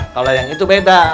kalau yang itu beda